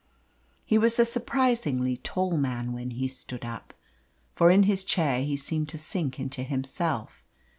He was a surprisingly tall man when he stood up; for in his chair he seemed to sink into himself.